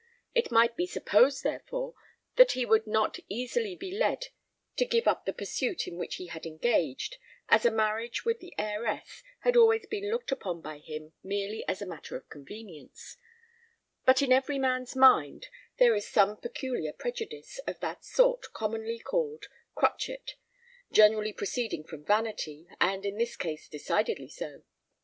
It might be supposed, therefore, that he would not easily be led to give up the pursuit in which he had engaged, as a marriage with the heiress had always been looked upon by him merely as a matter of convenience; but in every man's mind there is some peculiar prejudice of that sort commonly called crotchet, generally proceeding from vanity, and in his case decidedly so.